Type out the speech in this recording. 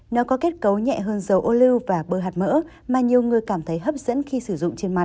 nó có kết cấu nhẹ hơn dầu ô lưu và bơ hạt mỡ mà nhiều người cảm thấy hấp dẫn khi sử dụng trên mặt